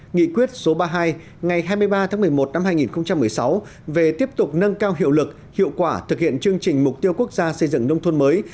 nghị quyết số ba mươi hai ngày hai mươi ba tháng một mươi một năm hai nghìn một mươi sáu về tiếp tục nâng cao hiệu lực hiệu quả thực hiện chương trình mục tiêu quốc gia xây dựng nông thôn mới